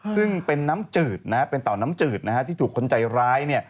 ซึ่งเป็นเต่าน้ำจืดที่ถูกคนใจร้าย